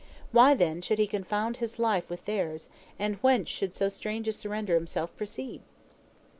Why then should he confound his life with theirs, and whence should so strange a surrender of himself proceed?